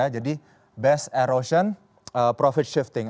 jadi best erosion profit shifting